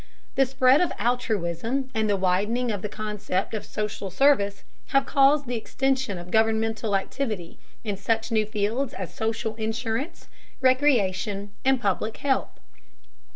The spread of altruism and the widening of the concept of social service have caused the extension of governmental activity in such new fields as social insurance, recreation, and public health.